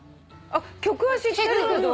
曲は知ってたけど。